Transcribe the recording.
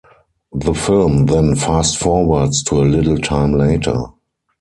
The film then fast forwards to a little time later.